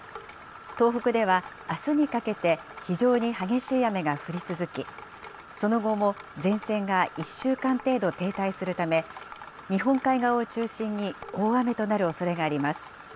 東北ではあすにかけて、非常に激しい雨が降り続き、その後も前線が１週間程度停滞するため、日本海側を中心に大雨となるおそれがあります。